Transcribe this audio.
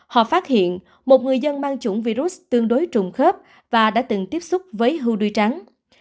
họ phát hiện một người dân mang chủng virus tương đối trùng khớp và đã từng tiếp xúc với hưu đuôi trắng